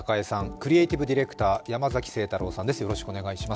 クリエイティブディレクター山崎晴太郎さんです。